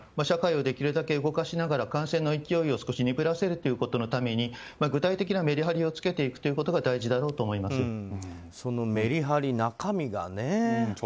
社会をできるだけ動かしながら感染の勢いを鈍らせるために具体的なメリハリをつけていくということがそのメリハリ、中身がね。